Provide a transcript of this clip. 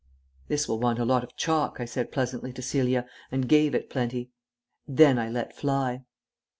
"This will want a lot of chalk," I said pleasantly to Celia, and gave it plenty. Then I let fly....